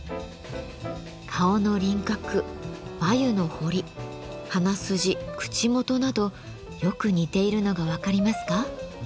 顔の輪郭眉の彫り鼻筋口元などよく似ているのが分かりますか？